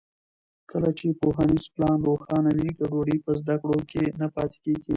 کله چې پوهنیز پلان روښانه وي، ګډوډي په زده کړو کې نه پاتې کېږي.